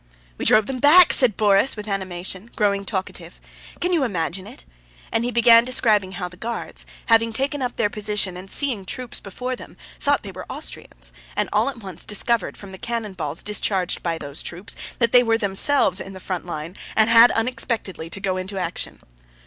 "We drove them back!" said Borís with animation, growing talkative. "Can you imagine it?" and he began describing how the Guards, having taken up their position and seeing troops before them, thought they were Austrians, and all at once discovered from the cannon balls discharged by those troops that they were themselves in the front line and had unexpectedly to go into action.